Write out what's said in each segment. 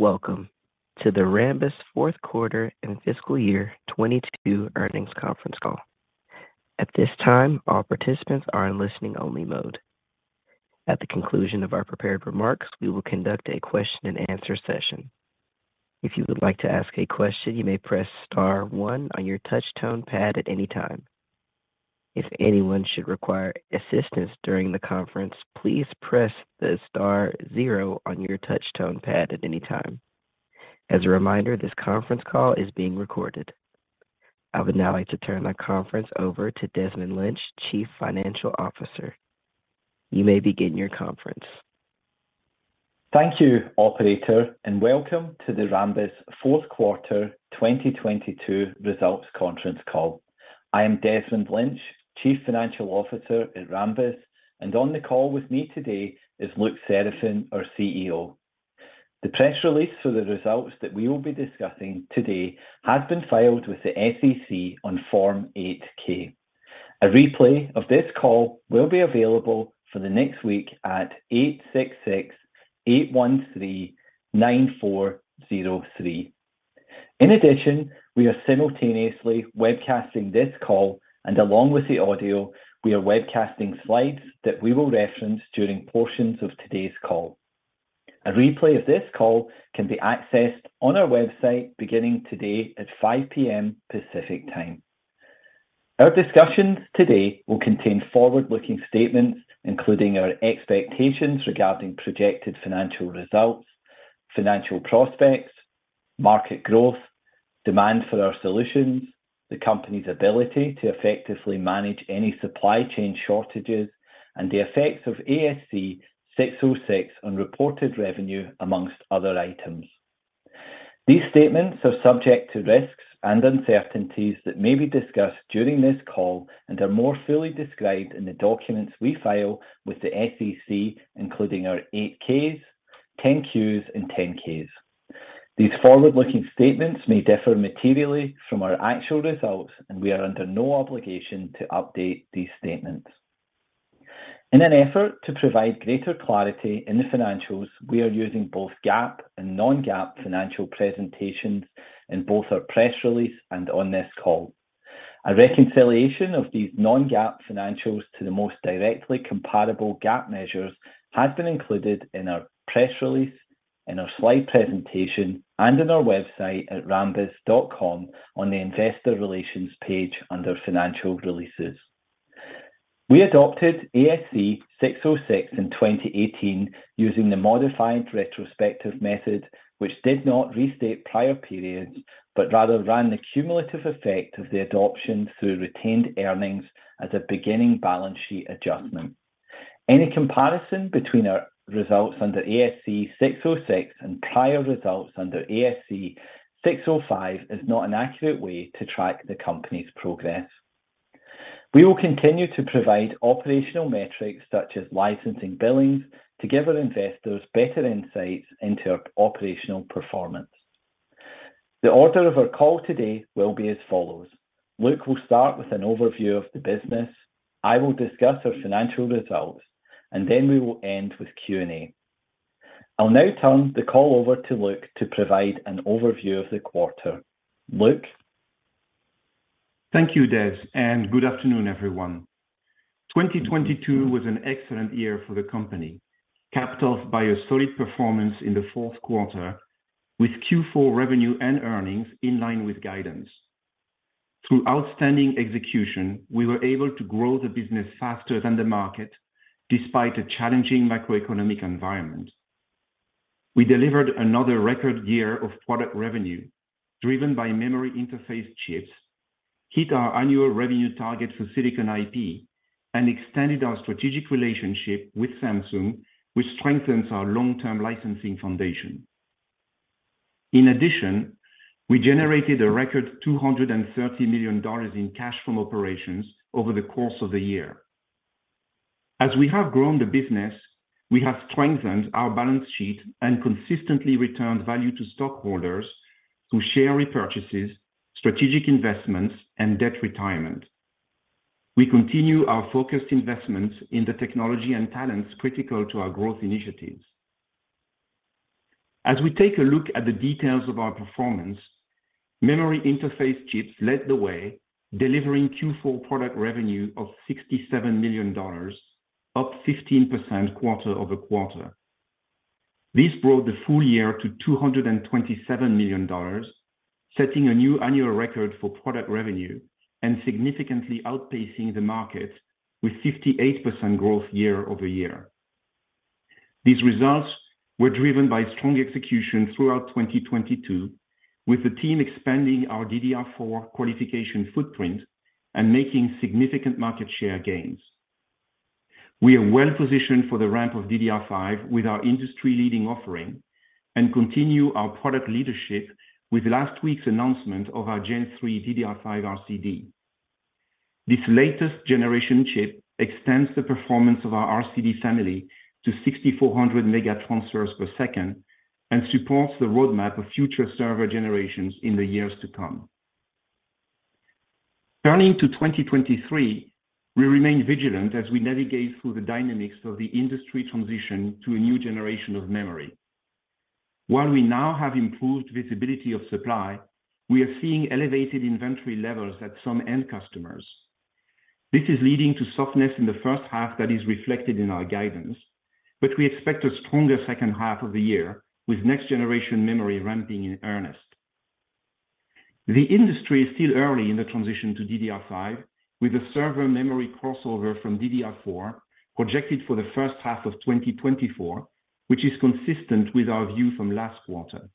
Welcome to the Rambus Q4 and Fiscal year 22 Earnings Conference Call. At this time, all participants are in listening only mode. At the conclusion of our prepared remarks, we will conduct a question-and-answer session. If you would like to ask a question, you may press star one on your touch tone pad at any time. If anyone should require assistance during the conference, please press the star zero on your touch tone pad at any time. As a reminder, this conference call is being recorded. I would now like to turn the conference over to Desmond Lynch, Chief Financial Officer. You may begin your conference. Thank you, operator, and welcome to the Rambus Q4 2022 results conference call. I am Desmond Lynch, Chief Financial Officer at Rambus, and on the call with me today is Luc Seraphin, our CEO. The press release for the results that we will be discussing today has been filed with the SEC on Form 8-K. A replay of this call will be available for the next week at 866-813-9403. In addition, we are simultaneously webcasting this call, and along with the audio, we are webcasting slides that we will reference during portions of today's call. A replay of this call can be accessed on our website beginning today at 5:00 P.M. Pacific Time. Our discussions today will contain forward-looking statements, including our expectations regarding projected financial results, financial prospects, market growth, demand for our solutions, the company's ability to effectively manage any supply chain shortages, and the effects of ASC 606 on reported revenue, amongst other items. These statements are subject to risks and uncertainties that may be discussed during this call and are more fully described in the documents we file with the SEC, including our 8-Ks, 10-Qs, and 10-Ks. These forward-looking statements may differ materially from our actual results. We are under no obligation to update these statements. In an effort to provide greater clarity in the financials, we are using both GAAP and non-GAAP financial presentations in both our press release and on this call. A reconciliation of these non-GAAP financials to the most directly comparable GAAP measures has been included in our press release, in our slide presentation, and on our website at rambus.com on the Investor Relations page under Financial Releases. We adopted ASC 606 in 2018 using the modified retrospective method, which did not restate prior periods, but rather ran the cumulative effect of the adoption through retained earnings as a beginning balance sheet adjustment. Any comparison between our results under ASC 606 and prior results under ASC 605 is not an accurate way to track the company's progress. We will continue to provide operational metrics such as licensing billings to give our investors better insights into our operational performance. The order of our call today will be as follows. Luc will start with an overview of the business. I will discuss our financial results, we will end with Q&A. I'll now turn the call over to Luc to provide an overview of the quarter. Luc. Thank you, Des. Good afternoon, everyone. 2022 was an excellent year for the company, capped off by a solid performance in the Q4 with Q4 revenue and earnings in line with guidance. Through outstanding execution, we were able to grow the business faster than the market despite a challenging macroeconomic environment. We delivered another record year of product revenue driven by memory interface chips, hit our annual revenue target for Silicon IP, and extended our strategic relationship with Samsung, which strengthens our long-term licensing foundation. In addition, we generated a record $230 million in cash from operations over the course of the year. As we have grown the business, we have strengthened our balance sheet and consistently returned value to stockholders through share repurchases, strategic investments, and debt retirement. We continue our focused investments in the technology and talents critical to our growth initiatives. As we take a look at the details of our performance, memory interface chips led the way, delivering Q4 product revenue of $67 million, up 15% quarter-over-quarter. This brought the full year to $227 million, setting a new annual record for product revenue and significantly outpacing the market with 58% growth year-over-year. These results were driven by strong execution throughout 2022, with the team expanding our DDR4 qualification footprint and making significant market share gains. We are well positioned for the ramp of DDR5 with our industry-leading offering and continue our product leadership with last week's announcement of our Gen3 DDR5 RCD. This latest generation chip extends the performance of our RCD family to 6,400 mega transfers per second and supports the roadmap of future server generations in the years to come. Turning to 2023, we remain vigilant as we navigate through the dynamics of the industry transition to a new generation of memory. While we now have improved visibility of supply, we are seeing elevated inventory levels at some end customers. This is leading to softness in the first half that is reflected in our guidance, we expect a stronger second half of the year with next generation memory ramping in earnest. The industry is still early in the transition to DDR5, with the server memory crossover from DDR4 projected for the first half of 2024, which is consistent with our view from last quarter.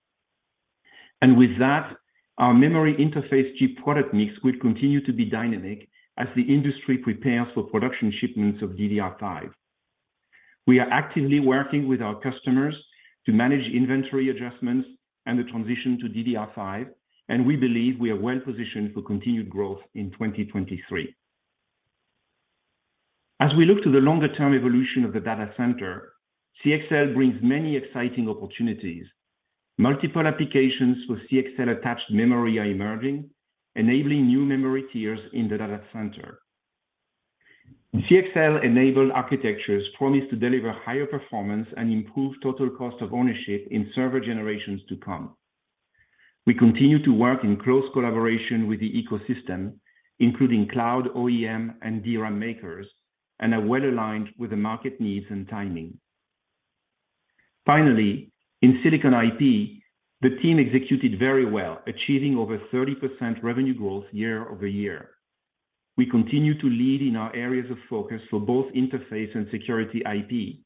With that, our memory interface chip product mix will continue to be dynamic as the industry prepares for production shipments of DDR5. We are actively working with our customers to manage inventory adjustments and the transition to DDR5, and we believe we are well positioned for continued growth in 2023. As we look to the longer-term evolution of the data center, CXL brings many exciting opportunities. Multiple applications with CXL attached memory are emerging, enabling new memory tiers in the data center. CXL-enabled architectures promise to deliver higher performance and improve total cost of ownership in server generations to come. We continue to work in close collaboration with the ecosystem, including cloud OEM and DRAM makers, and are well aligned with the market needs and timing. Finally, in Silicon IP, the team executed very well, achieving over 30% revenue growth year-over-year. We continue to lead in our areas of focus for both interface and security IP.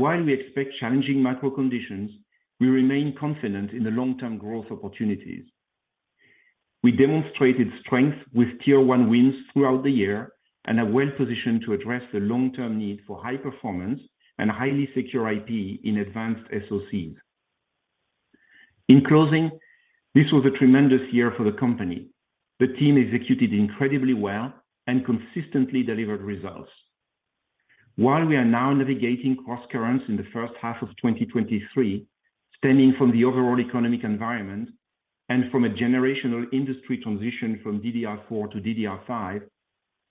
While we expect challenging macro conditions, we remain confident in the long-term growth opportunities. We demonstrated strength with tier one wins throughout the year and are well-positioned to address the long-term need for high performance and highly secure IP in advanced SoCs. In closing, this was a tremendous year for the company. The team executed incredibly well and consistently delivered results. While we are now navigating crosscurrents in the first half of 2023, stemming from the overall economic environment and from a generational industry transition from DDR4 to DDR5,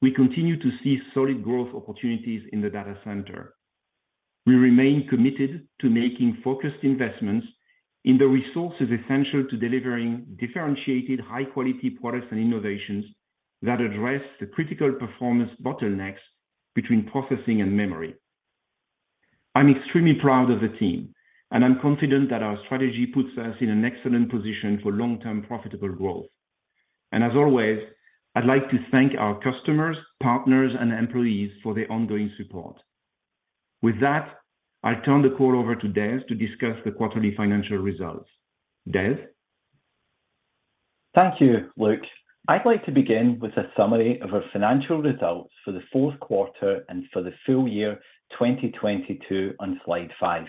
we continue to see solid growth opportunities in the data center. We remain committed to making focused investments in the resources essential to delivering differentiated high-quality products and innovations that address the critical performance bottlenecks between processing and memory. I'm extremely proud of the team, and I'm confident that our strategy puts us in an excellent position for long-term profitable growth. As always, I'd like to thank our customers, partners, and employees for their ongoing support. With that, I turn the call over to Des to discuss the quarterly financial results. Des? Thank you, Luc. I'd like to begin with a summary of our financial results for the Q4 and for the full year 2022 on Slide five.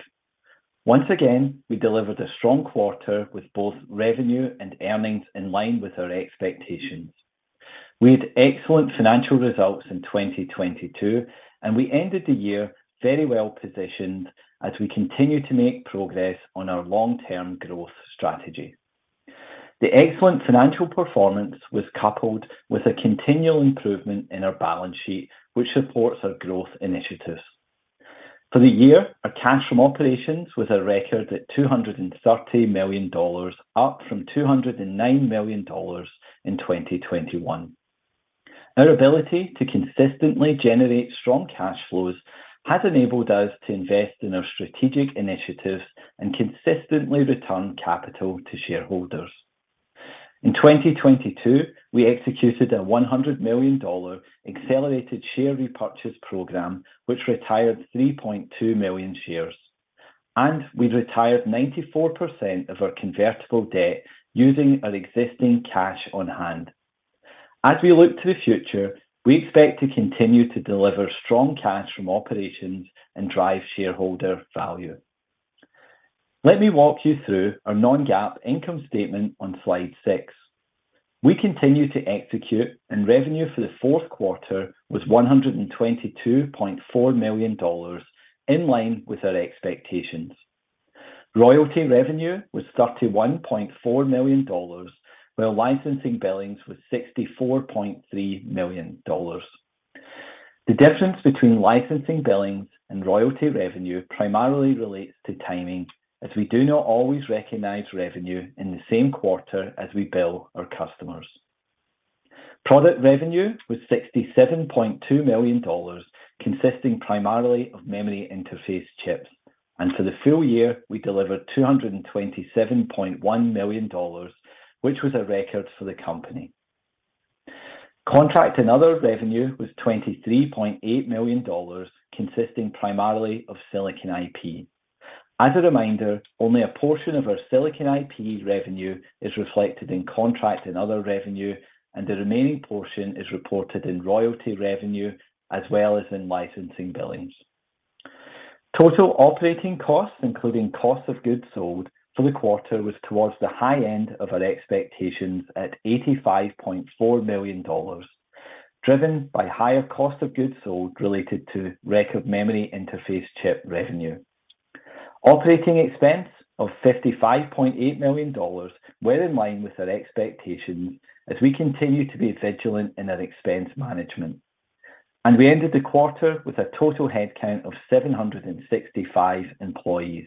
Once again, we delivered a strong quarter with both revenue and earnings in line with our expectations. We had excellent financial results in 2022, and we ended the year very well-positioned as we continue to make progress on our long-term growth strategy. The excellent financial performance was coupled with a continual improvement in our balance sheet, which supports our growth initiatives. For the year, our cash from operations was a record at $230 million, up from $209 million in 2021. Our ability to consistently generate strong cash flows has enabled us to invest in our strategic initiatives and consistently return capital to shareholders. In 2022, we executed a $100 million accelerated share repurchase program, which retired 3.2 million shares. We retired 94% of our convertible debt using our existing cash on hand. As we look to the future, we expect to continue to deliver strong cash from operations and drive shareholder value. Let me walk you through our non-GAAP income statement on Slide six. We continue to execute, and revenue for the Q4 was $122.4 million, in line with our expectations. Royalty revenue was $31.4 million, while licensing billings was $64.3 million. The difference between licensing billings and royalty revenue primarily relates to timing, as we do not always recognize revenue in the same quarter as we bill our customers. Product revenue was $67.2 million, consisting primarily of memory interface chips. For the full year, we delivered $227.1 million, which was a record for the company. Contract and other revenue was $23.8 million, consisting primarily of Silicon IP. As a reminder, only a portion of our Silicon IP revenue is reflected in contract and other revenue, and the remaining portion is reported in royalty revenue as well as in licensing billings. Total operating costs, including cost of goods sold for the quarter, was towards the high end of our expectations at $85.4 million, driven by higher cost of goods sold related to record memory interface chip revenue. Operating expense of $55.8 million were in line with our expectations as we continue to be vigilant in our expense management. We ended the quarter with a total headcount of 765 employees.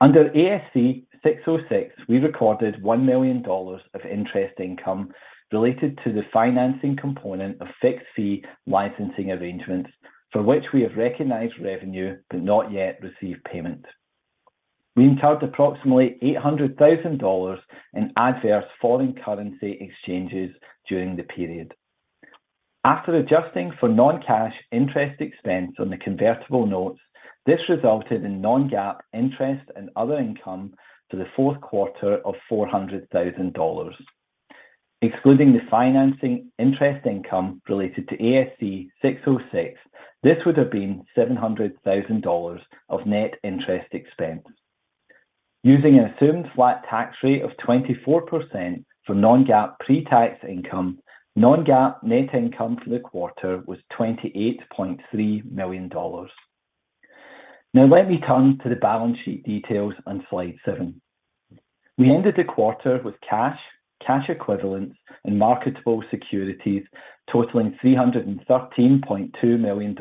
Under ASC 606, we recorded $1 million of interest income related to the financing component of fixed fee licensing arrangements for which we have recognized revenue but not yet received payment. We incurred approximately $800,000 in adverse foreign currency exchanges during the period. After adjusting for non-cash interest expense on the convertible notes, this resulted in non-GAAP interest and other income for the Q4 of $400,000. Excluding the financing interest income related to ASC 606, this would have been $700,000 of net interest expense. Using an assumed flat tax rate of 24% for non-GAAP pre-tax income, non-GAAP net income for the quarter was $28.3 million. Let me turn to the balance sheet details on Slide seven. We ended the quarter with cash equivalents, and marketable securities totaling $313.2 million,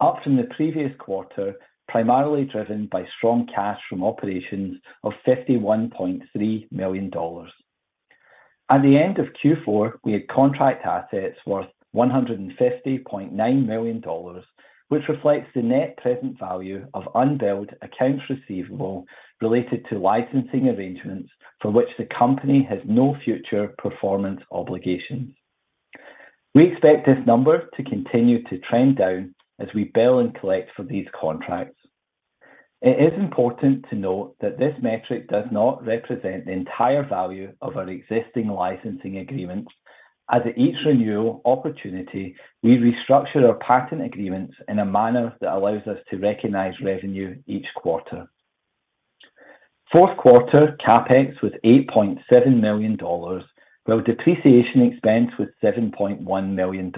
up from the previous quarter, primarily driven by strong cash from operations of $51.3 million. At the end of Q4, we had contract assets worth $150.9 million, which reflects the net present value of unbilled accounts receivable related to licensing arrangements for which the company has no future performance obligations. We expect this number to continue to trend down as we bill and collect for these contracts. It is important to note that this metric does not represent the entire value of our existing licensing agreements. As at each renewal opportunity, we restructure our patent agreements in a manner that allows us to recognize revenue each quarter. Q4 CapEx was $8.7 million, while depreciation expense was $7.1 million.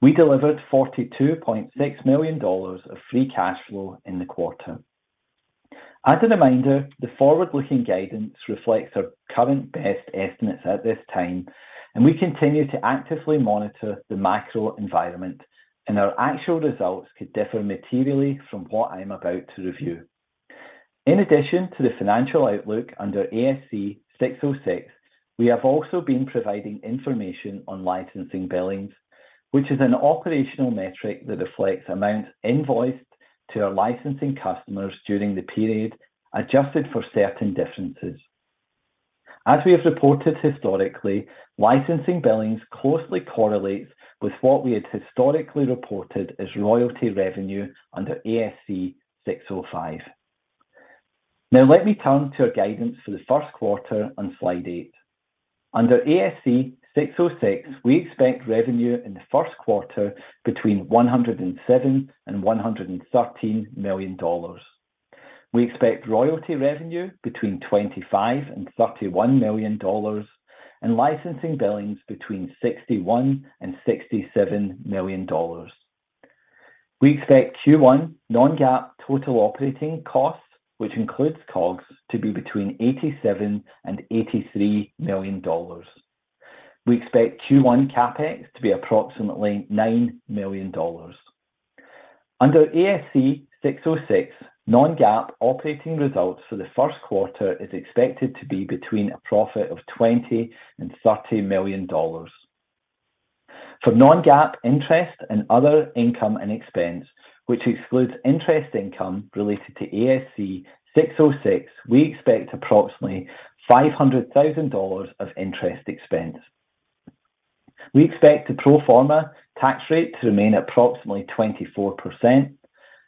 We delivered $42.6 million of free cash flow in the quarter. As a reminder, the forward-looking guidance reflects our current best estimates at this time, and we continue to actively monitor the macro environment, and our actual results could differ materially from what I'm about to review. In addition to the financial outlook under ASC 606, we have also been providing information on licensing billings, which is an operational metric that reflects amounts invoiced to our licensing customers during the period, adjusted for certain differences. As we have reported historically, licensing billings closely correlates with what we had historically reported as royalty revenue under ASC 605. Let me turn to our guidance for the Q1 on Slide eight. Under ASC 606, we expect revenue in the Q1 between $107 million and $113 million. We expect royalty revenue between $25 million and $31 million and licensing billings between $61 million and $67 million. We expect Q1 non-GAAP total operating costs, which includes COGS, to be between $87 million and $83 million. We expect Q1 CapEx to be approximately $9 million. Under ASC 606, non-GAAP operating results for the Q1 is expected to be between a profit of $20 million and $30 million. For non-GAAP interest and other income and expense, which excludes interest income related to ASC 606, we expect approximately $500,000 of interest expense. We expect the pro forma tax rate to remain approximately 24%.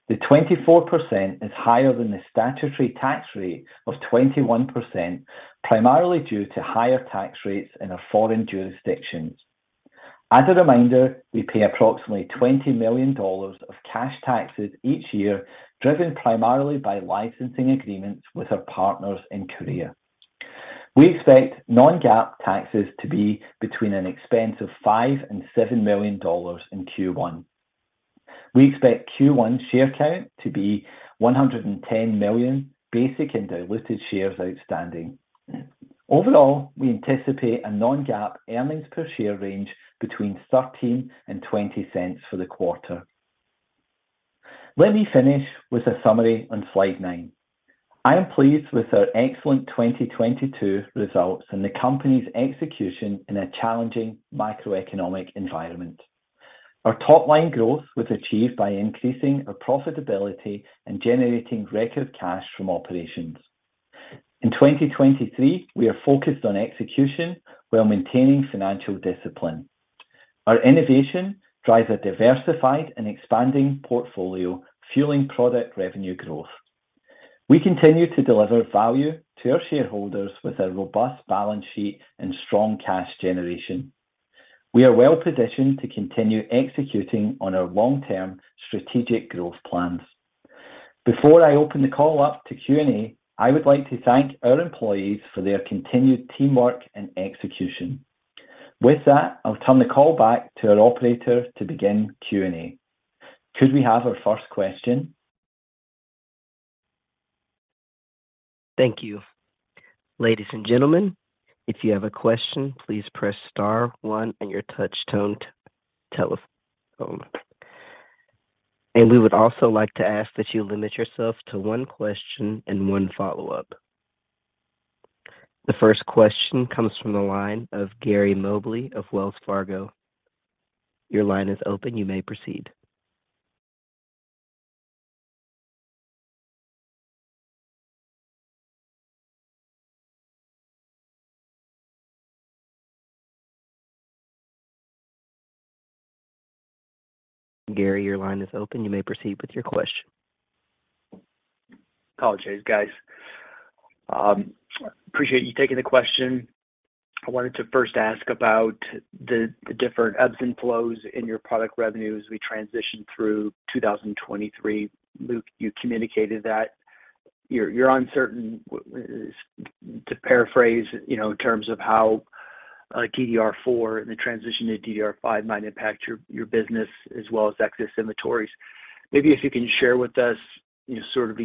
The 24% is higher than the statutory tax rate of 21%, primarily due to higher tax rates in our foreign jurisdictions. As a reminder, we pay approximately $20 million of cash taxes each year, driven primarily by licensing agreements with our partners in Korea. We expect non-GAAP taxes to be between an expense of $5 million and $7 million in Q1. We expect Q1 share count to be 110 million basic and diluted shares outstanding. Overall, we anticipate a non-GAAP earnings per share range between $0.13 and $0.20 for the quarter. Let me finish with a summary on Slide nine. I am pleased with our excellent 2022 results and the company's execution in a challenging macroeconomic environment. Our top-line growth was achieved by increasing our profitability and generating record cash from operations. In 2023, we are focused on execution while maintaining financial discipline. Our innovation drives a diversified and expanding portfolio, fueling product revenue growth. We continue to deliver value to our shareholders with a robust balance sheet and strong cash generation. We are well-positioned to continue executing on our long-term strategic growth plans. Before I open the call up to Q&A, I would like to thank our employees for their continued teamwork and execution. With that, I'll turn the call back to our operator to begin Q&A. Could we have our first question? Thank you. Ladies and gentlemen, if you have a question, please press star one on your touch-tone telephone. We would also like to ask that you limit yourself to one question and one follow-up. The first question comes from the line of Gary Mobley of Wells Fargo. Your line is open. You may proceed. Gary, your line is open. You may proceed with your question. Apologies, guys. Appreciate you taking the question. I wanted to first ask about the different ebbs and flows in your product revenue as we transition through 2023. Luc, you communicated that you're uncertain, to paraphrase, you know, in terms of how DDR4 and the transition to DDR5 might impact your business as well as excess inventories. Maybe if you can share with us, you know, sort of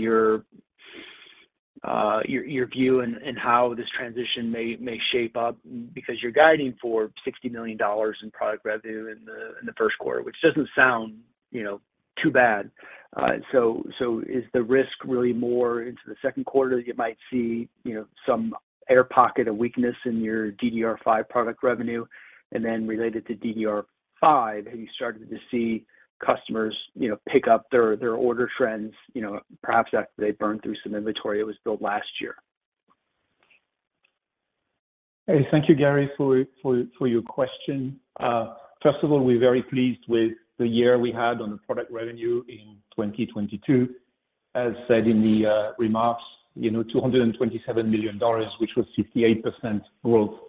your view and how this transition may shape up because you're guiding for $60 million in product revenue in the Q1, which doesn't sound, you know, too bad. Is the risk really more into the Q2 that you might see, you know, some air pocket of weakness in your DDR5 product revenue? Related to DDR5, have you started to see customers, you know, pick up their order trends, you know, perhaps after they burned through some inventory that was built last year? Hey, thank you, Gary, for your question. First of all, we're very pleased with the year we had on the product revenue in 2022. As said in the remarks, you know, $227 million, which was 58% growth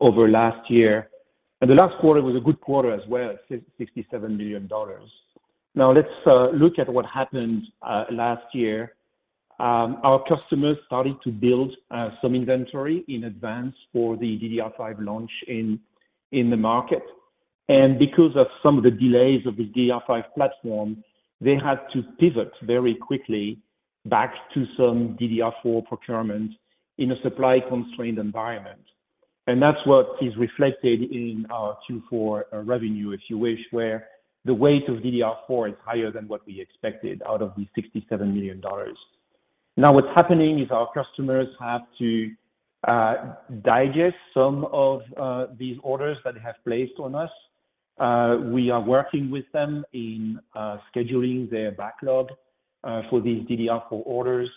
over last year. The last quarter was a good quarter as well, $67 million. Now let's look at what happened last year. Our customers started to build some inventory in advance for the DDR5 launch in the market. Because of some of the delays of the DDR5 platform, they had to pivot very quickly back to some DDR4 procurement in a supply-constrained environment. That's what is reflected in our Q4 revenue, if you wish, where the weight of DDR4 is higher than what we expected out of the $67 million. Now what's happening is our customers have to digest some of these orders that they have placed on us. We are working with them in scheduling their backlog for these DDR4 orders.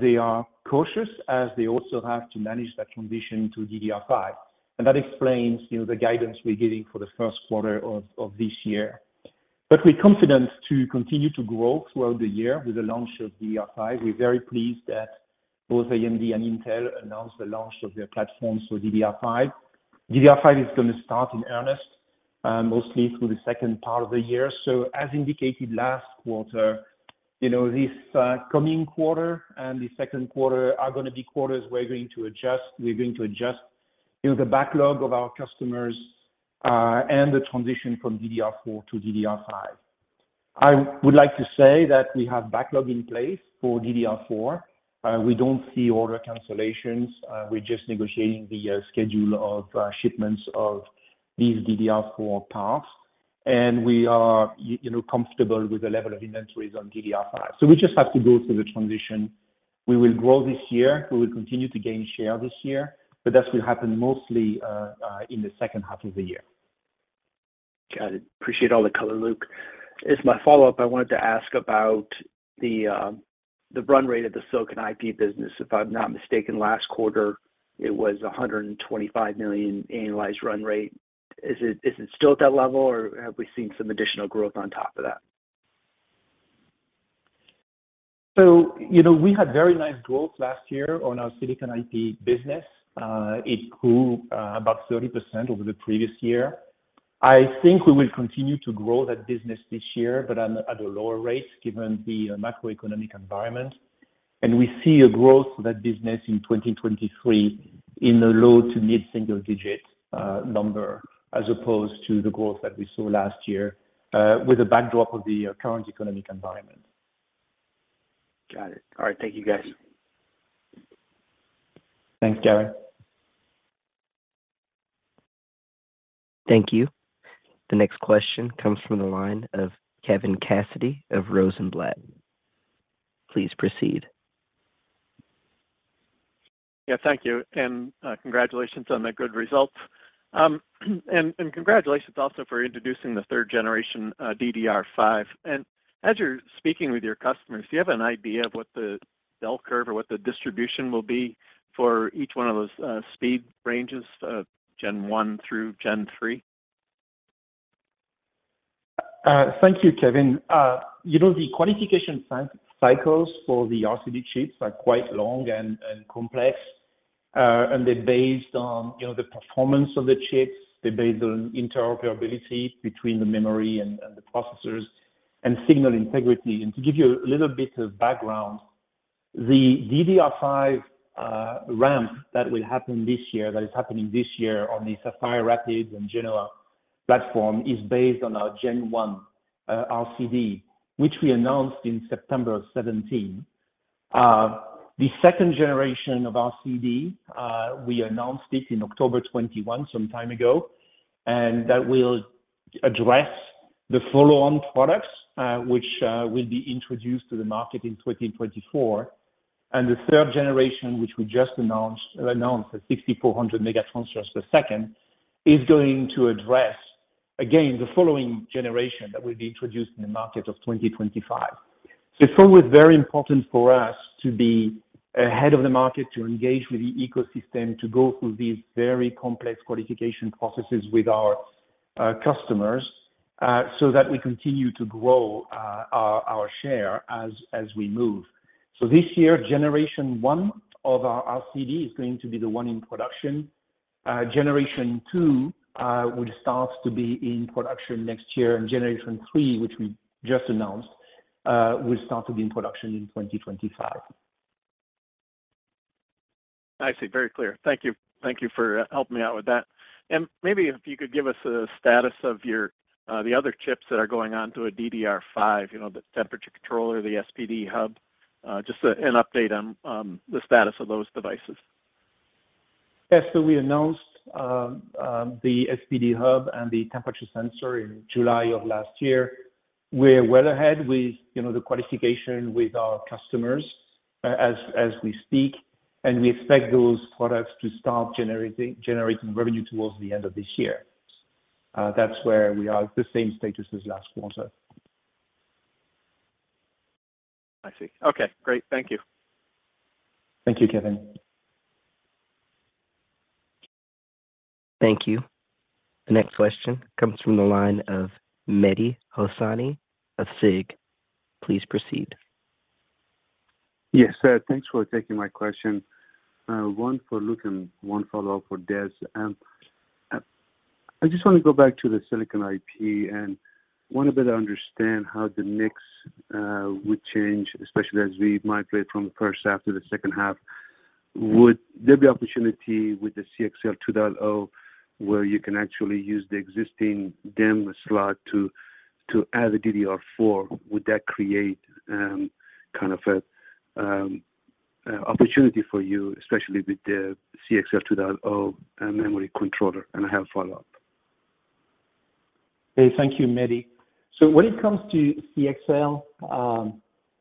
They are cautious as they also have to manage that transition to DDR5. That explains, you know, the guidance we're giving for the Q1 of this year. We're confident to continue to grow throughout the year with the launch of DDR5. We're very pleased that both AMD and Intel announced the launch of their platforms for DDR5. DDR5 is gonna start in earnest, mostly through the second part of the year. As indicated last quarter, you know, this coming quarter and the Q2 are gonna be quarters we're going to adjust. We're going to adjust, you know, the backlog of our customers, and the transition from DDR4 to DDR5. I would like to say that we have backlog in place for DDR4. We don't see order cancellations. We're just negotiating the schedule of shipments of these DDR4 parts, and we are, you know, comfortable with the level of inventories on DDR5. We just have to go through the transition. We will grow this year. We will continue to gain share this year, but that will happen mostly in the second half of the year. Got it. Appreciate all the color, Luc. As my follow-up, I wanted to ask about the run rate of the Silicon IP business. If I'm not mistaken, last quarter, it was a $125 million annualized run rate. Is it still at that level, or have we seen some additional growth on top of that? You know, we had very nice growth last year on our Silicon IP business. It grew about 30% over the previous year. I think we will continue to grow that business this year but at a lower rate given the macroeconomic environment. We see a growth for that business in 2023 in the low to mid-single digit number as opposed to the growth that we saw last year with the backdrop of the current economic environment. Got it. All right. Thank you, guys. Thanks, Gary. Thank you. The next question comes from the line of Kevin Cassidy of Rosenblatt. Please proceed. Yeah. Thank you, and congratulations on the good results. Congratulations also for introducing the third generation DDR5. As you're speaking with your customers, do you have an idea of what the bell curve or what the distribution will be for each one of those speed ranges, Gen one through Gen three? Thank you, Kevin. You know, the qualification sci-cycles for the RCD chips are quite long and complex, and they're based on, you know, the performance of the chips. They're based on interoperability between the memory and the processors and signal integrity. To give you a little bit of background. The DDR5 ramp that will happen this year, that is happening this year on the Sapphire Rapids and Genoa platform is based on our Gen1 RCD, which we announced in September 2017. The second generation of RCD, we announced it in October 2021 some time ago, and that will address the follow-on products, which will be introduced to the market in 2024. The third generation, which we just announced the 6,400 megatransfers per second, is going to address again the following generation that will be introduced in the market of 2025. It's always very important for us to be ahead of the market, to engage with the ecosystem, to go through these very complex qualification processes with our customers so that we continue to grow our share as we move. This year, Gen 1 of our RCD is going to be the one in production. Gen 2 will start to be in production next year. Gen 3, which we just announced, will start to be in production in 2025. I see. Very clear. Thank you. Thank you for helping me out with that. Maybe if you could give us a status of your, the other chips that are going on to a DDR5, you know, the temperature controller, the SPD Hub, just an update on the status of those devices. Yes. We announced, the SPD Hub and the Temperature Sensor in July of last year. We're well ahead with, you know, the qualification with our customers as we speak, we expect those products to start generating revenue towards the end of this year. That's where we are, the same status as last quarter. I see. Okay, great. Thank you. Thank you, Kevin. Thank you. The next question comes from the line of Mehdi Hosseini of SIG. Please proceed. Yes. Thanks for taking my question. One for Luc and one follow-up for Des. I just want to go back to the Silicon IP and want a better understand how the mix would change, especially as we migrate from the first half to the second half. Would there be opportunity with the CXL 2.0 where you can actually use the existing DIMM slot to add a DDR4? Would that create kind of a opportunity for you, especially with the CXL 2.0 memory controller? I have follow-up. Hey, thank you, Mehdi. When it comes to CXL,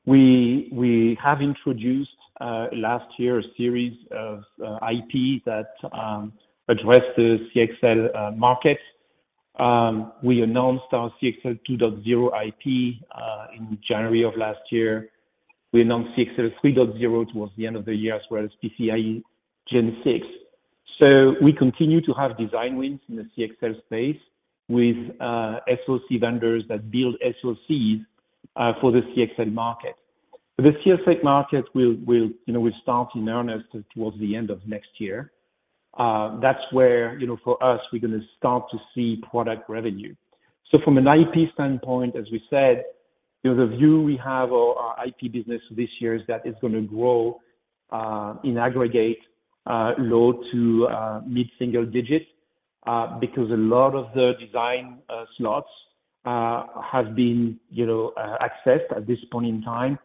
we have introduced last year a series of IP that address the CXL market. We announced our CXL 2.0 IP in January of last year. We announced CXL 3.0 towards the end of the year, as well as PCIe 6.0. We continue to have design wins in the CXL space with SoC vendors that build SoCs for the CXL market. The CXL market will, you know, will start in earnest towards the end of next year. That's where, you know, for us, we're gonna start to see product revenue. From an IP standpoint, as we said, you know, the view we have of our IP business this year is that it's gonna grow in aggregate low to mid-single digit, because a lot of the design slots have been, you know, accessed at this point in time.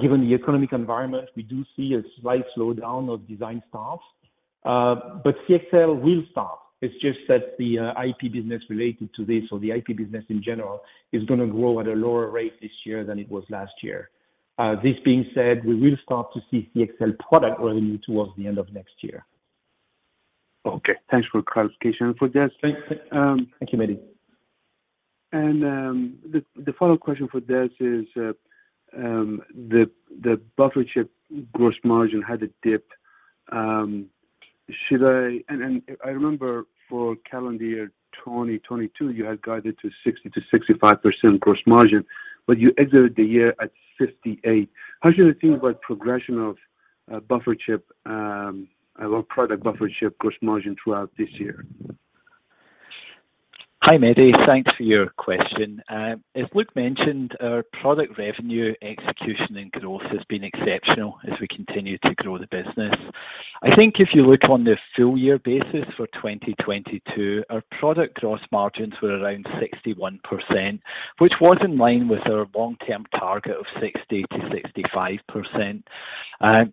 Given the economic environment, we do see a slight slowdown of design starts, but CXL will start. It's just that the IP business related to this or the IP business in general is gonna grow at a lower rate this year than it was last year. This being said, we will start to see CXL product revenue towards the end of next year. Okay. Thanks for clarification. For Des- Thank you, Mehdi. The follow-up question for Des is, the buffer chip gross margin had a dip. I remember for calendar year 2022, you had guided to 60%-65% gross margin, but you exited the year at 58%. How should I think about progression of buffer chip, or product buffer chip gross margin throughout this year? Hi, Mehdi. Thanks for your question. As Luc mentioned, our product revenue execution and growth has been exceptional as we continue to grow the business. I think if you look on the full year basis for 2022, our product gross margins were around 61%, which was in line with our long-term target of 60%-65%.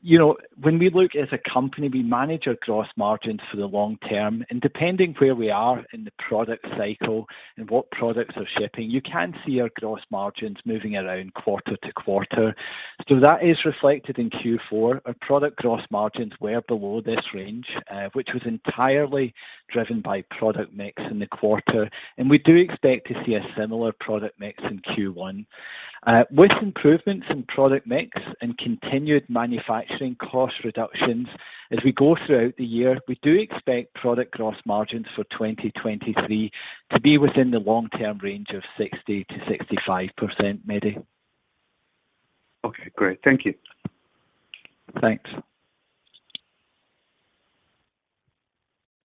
You know, when we look as a company, we manage our gross margins for the long term, and depending where we are in the product cycle and what products are shipping, you can see our gross margins moving around quarter-to-quarter. That is reflected in Q4. Our product gross margins were below this range, which was entirely driven by product mix in the quarter, and we do expect to see a similar product mix in Q1. With improvements in product mix and continued manufacturing cost reductions as we go throughout the year, we do expect product gross margins for 2023 to be within the long-term range of 60%-65%, Mehdi. Okay, great. Thank you. Thanks.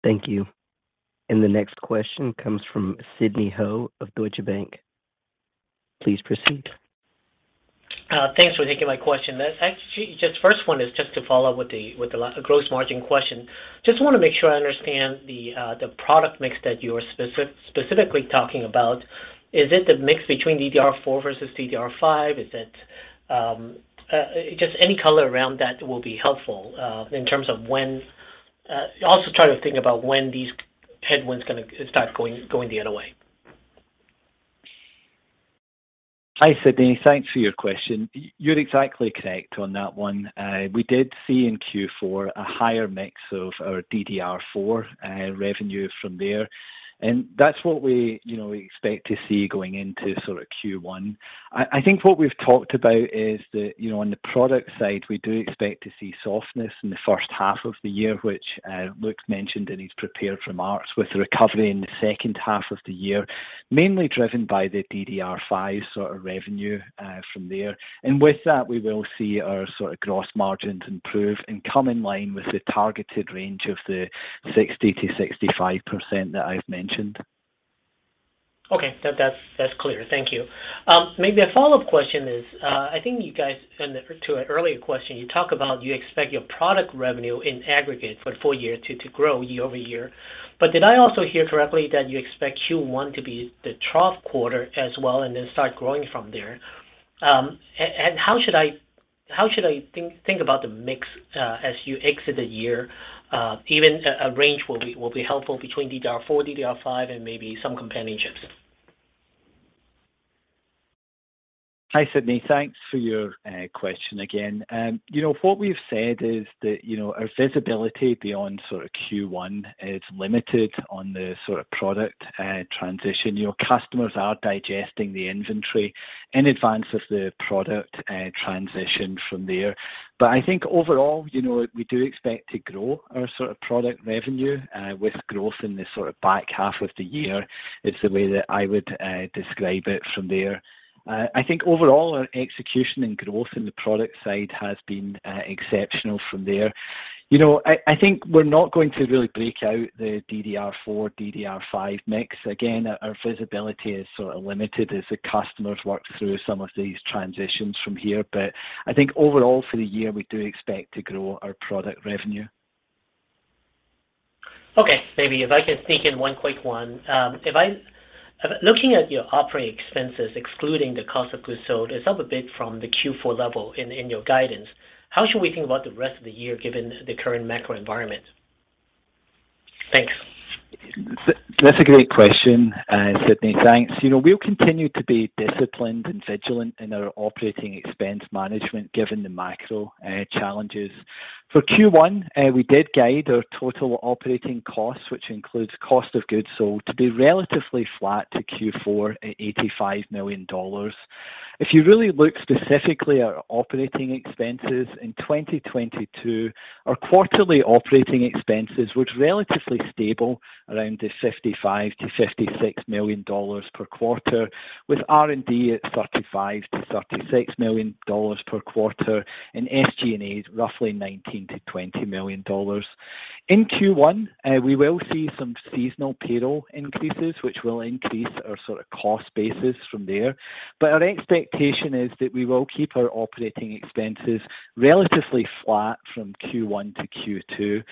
Thank you. The next question comes from Sidney Ho of Deutsche Bank. Please proceed. Thanks for taking my question. Actually, just first one is just to follow up with the gross margin question. Just want to make sure I understand the product mix that you're specifically talking about. Is it the mix between DDR4 versus DDR5? Is it, just any color around that will be helpful, in terms of when. Also try to think about when these headwinds gonna start going the other way. Hi, Sidney. Thanks for your question. You're exactly correct on that one. We did see in Q4 a higher mix of our DDR4 revenue from there. That's what we, you know, expect to see going into sort of Q1. I think what we've talked about is that, you know, on the product side, we do expect to see softness in the first half of the year, which Luc mentioned in his prepared remarks, with a recovery in the second half of the year, mainly driven by the DDR5 sort of revenue from there. With that, we will see our sort of gross margins improve and come in line with the targeted range of the 60%-65% that I've mentioned. Okay. That's clear. Thank you. Maybe a follow-up question is, I think you guys, and to an earlier question, you talk about you expect your product revenue in aggregate for full year to grow year-over-year. Did I also hear correctly that you expect Q1 to be the trough quarter as well and then start growing from there? How should I think about the mix as you exit the year? Even a range will be helpful between DDR4, DDR5, and maybe some companion chips. Hi, Sidney. Thanks for your question again. You know, what we've said is that, you know, our visibility beyond sort of Q1 is limited on the sort of product transition. You know, customers are digesting the inventory in advance of the product transition from there. I think overall, you know, we do expect to grow our sort of product revenue, with growth in the sort of back half of the year, is the way that I would describe it from there. I think overall, our execution and growth in the product side has been exceptional from there. You know, I think we're not going to really break out the DDR4/DDR5 mix. Our visibility is sort of limited as the customers work through some of these transitions from here. I think overall for the year, we do expect to grow our product revenue. Okay. Maybe if I can sneak in one quick one. Looking at your operating expenses, excluding the cost of goods sold, it's up a bit from the Q4 level in your guidance. How should we think about the rest of the year, given the current macro environment? Thanks. That's a great question, Sidney. Thanks. You know, we'll continue to be disciplined and vigilant in our operating expense management, given the macro challenges. For Q1, we did guide our total operating costs, which includes cost of goods sold, to be relatively flat to Q4 at $85 million. If you really look specifically at operating expenses in 2022, our quarterly operating expenses were relatively stable around the $55 million-$56 million per quarter, with R&D at $35 million-$36 million per quarter, and SG&A is roughly $19 million-$20 million. In Q1, we will see some seasonal payroll increases, which will increase our sort of cost basis from there. Our expectation is that we will keep our operating expenses relatively flat from Q1 to Q2.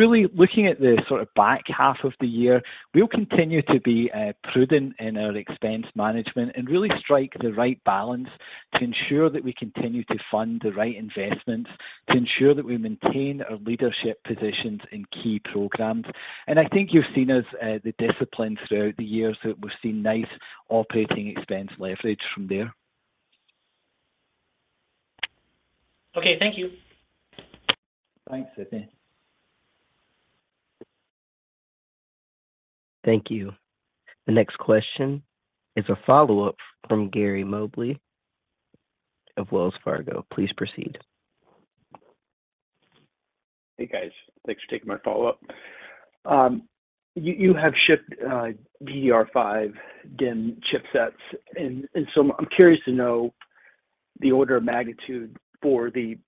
Really looking at the sort of back half of the year, we'll continue to be prudent in our expense management and really strike the right balance to ensure that we continue to fund the right investments to ensure that we maintain our leadership positions in key programs. I think you've seen us, the discipline throughout the year, so we've seen nice operating expense leverage from there. Okay. Thank you. Thanks, Sidney. Thank you. The next question is a follow-up from Gary Mobley of Wells Fargo. Please proceed. Hey, guys. Thanks for taking my follow-up. You have shipped DDR5 DIMM chipsets. I'm curious to know the order of magnitude for the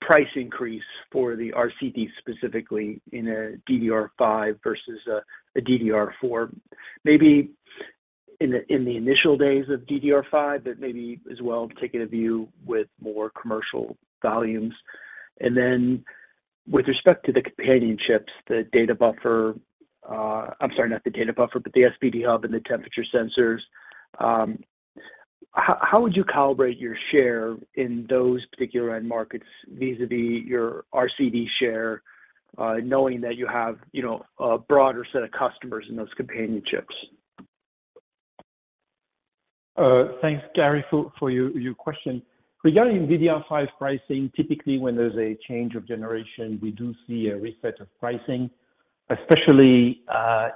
price increase for the RCD specifically in a DDR5 versus a DDR4. Maybe in the initial days of DDR5, but maybe as well taking a view with more commercial volumes. With respect to the companion chips, the Data Buffer, I'm sorry, not the Data Buffer, but the SPD Hub and the Temperature Sensors, how would you calibrate your share in those particular end markets vis-a-vis your RCD share, knowing that you have, you know, a broader set of customers in those companion chips? Thanks, Gary, for your question. Regarding DDR5 pricing, typically when there's a change of generation, we do see a reset of pricing, especially,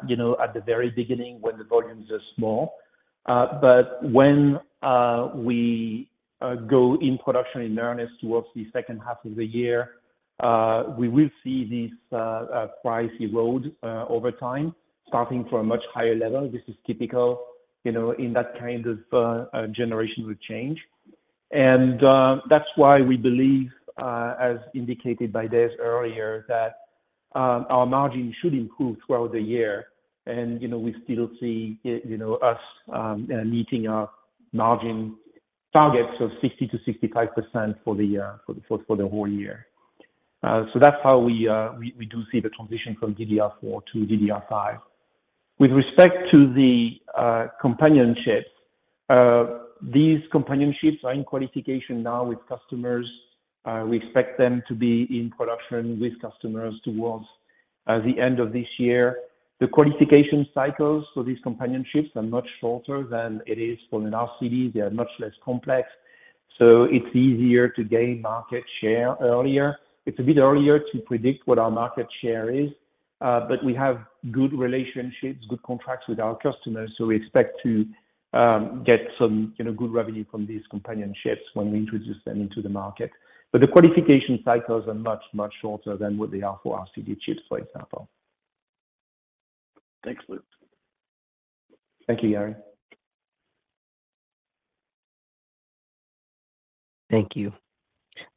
you know, at the very beginning when the volumes are small. When we go in production in earnest towards the second half of the year, we will see this price erode over time, starting from a much higher level. This is typical, you know, in that kind of generational change. That's why we believe, as indicated by Des earlier, that our margin should improve throughout the year. You know, we still see, you know, us meeting our margin targets of 60%-65% for the whole year. That's how we do see the transition from DDR4 to DDR5. With respect to the companion chips, these companion chips are in qualification now with customers. We expect them to be in production with customers towards the end of this year. The qualification cycles for these companion chips are much shorter than it is for an RCD. They are much less complex, it's easier to gain market share earlier. It's a bit earlier to predict what our market share is, but we have good relationships, good contracts with our customers, so we expect to get some, you know, good revenue from these companion chips when we introduce them into the market. The qualification cycles are much shorter than what they are for RCD chips, for example. Thanks, Luc. Thank you, Gary. Thank you.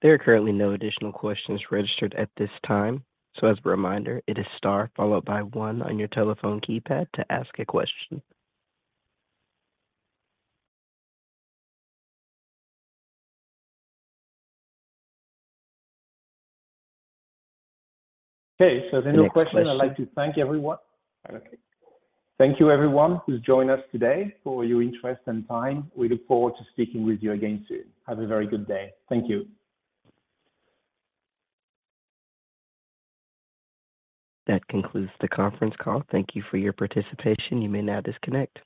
There are currently no additional questions registered at this time. As a reminder, it is star followed by one on your telephone keypad to ask a question. If there are no question, I'd like to thank everyone. Thank you, everyone, who's joined us today for your interest and time. We look forward to speaking with you again soon. Have a very good day. Thank you. That concludes the conference call. Thank you for your participation. You may now disconnect.